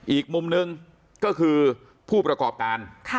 อีกมุมหนึ่งก็คือผู้ประกอบการ